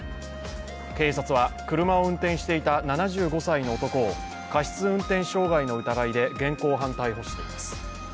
警察は、車を運転していた７５歳の男を過失運転傷害の疑いで現行犯逮捕しています。